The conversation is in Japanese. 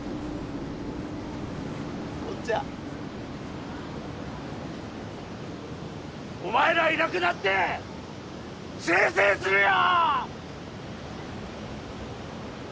おっちゃんお前らいなくなってせいせいするよ！